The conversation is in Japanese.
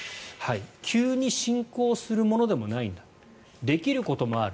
急に進行するものでもないんだできることもある。